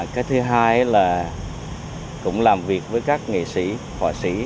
cái thứ hai là cũng làm việc với các nghệ sĩ họa sĩ